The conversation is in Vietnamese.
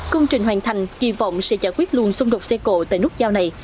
công trình hoàn thành kỳ vọng sẽ giải quyết luôn xung đột xe cộ tại nút giao này